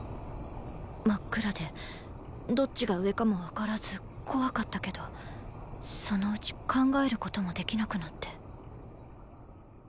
真っ暗でどっちが上かも分からず怖かったけどそのうち考えることもできなくなって。